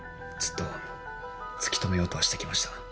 ずっと突き止めようとはして来ました。